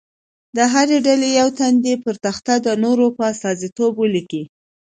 د هرې ډلې یو تن دې پر تخته د نورو په استازیتوب ولیکي.